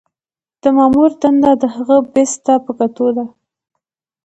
د مامور دنده د هغه بست ته په کتو ده.